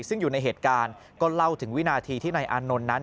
ซึ่งอยู่ในเหตุการณ์ก็เล่าถึงวินาทีที่นายอานนท์นั้น